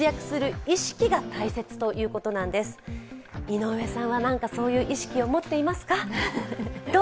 井上さんは何か、そういう意識を持っていますか？